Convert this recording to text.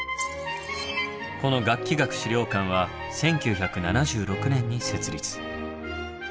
この楽器学資料館は１９７６年に設立。